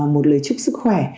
một lời chúc sức khỏe